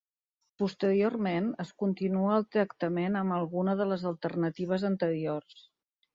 Posteriorment es continua el tractament amb alguna de les alternatives anteriors.